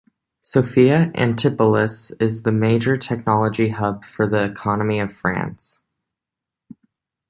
Sophia Antipolis is the major technology hub for the economy of France.